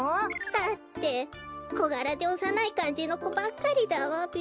だってこがらでおさないかんじのこばっかりだわべ。